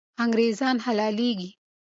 انګریزان حلالېږي.